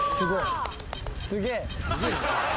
すげえ。